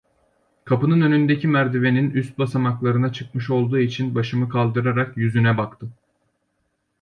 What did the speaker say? Kapının önündeki merdivenin üst basamaklarına çıkmış olduğu için başımı kaldırarak yüzüne baktım.